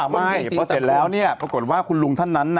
ไม่พอเสร็จแล้วปรากฏว่าคุณลุงท่านนั้น